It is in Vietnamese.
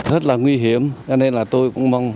rất là nguy hiểm cho nên là tôi cũng mong